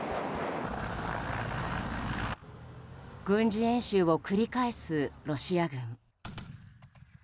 軍事演習を繰り返すロシア軍。